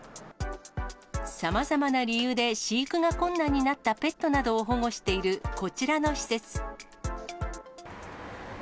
さまざまな理由で飼育が困難になったペットなどを保護しているこちらの施設。